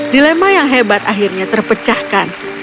dilema yang hebat akhirnya terpecahkan